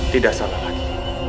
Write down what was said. tidak salah lagi